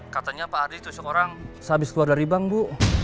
katanya pak ardi tusuk orang sehabis keluar dari bank bu